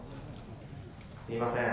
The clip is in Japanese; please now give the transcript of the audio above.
「すいません。